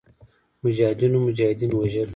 مجاهدینو مجاهدین وژل.